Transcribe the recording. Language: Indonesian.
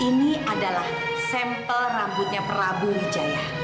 ini adalah sampel rambutnya prabu wijaya